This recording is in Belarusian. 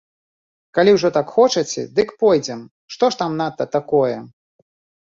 Калі ўжо так хочаце, дык пойдзем, што ж там надта такое?!